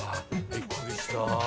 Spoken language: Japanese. びっくりした。